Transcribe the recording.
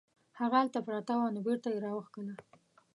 هغه هلته پرته وه نو بیرته یې راوکښله.